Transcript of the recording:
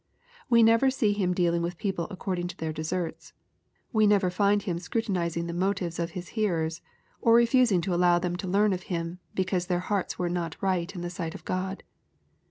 / We never see Him dealing with people according to their deserts. We never find j Him scrutinizing the motives of His hearers, or refusing to allow them to learn of Him, because their hearts were not right in the sight of God.